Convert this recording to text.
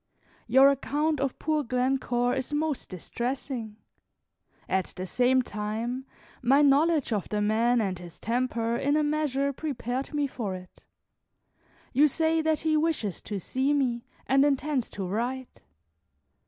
Your account of poor Glencore is most distressing. At the same time, my knowledge of the man and his temper in a measure prepared me for it. You say that he wishes to see me, and intends to write.